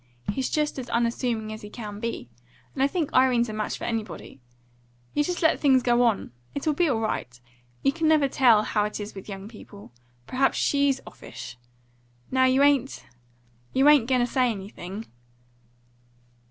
He's just as unassuming as he can be, and I think Irene's a match for anybody. You just let things go on. It'll be all right. You never can tell how it is with young people. Perhaps SHE'S offish. Now you ain't you ain't going to say anything?"